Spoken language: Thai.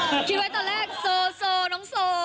คิดไว้ตอนแรกโซน้องโซ